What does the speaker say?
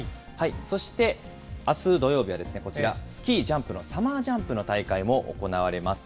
そして、あす土曜日はこちら、スキージャンプのサマージャンプの大会も行われます。